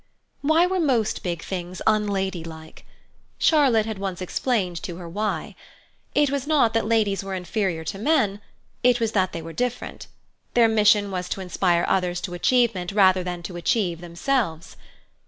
Why were most big things unladylike? Charlotte had once explained to her why. It was not that ladies were inferior to men; it was that they were different. Their mission was to inspire others to achievement rather than to achieve themselves.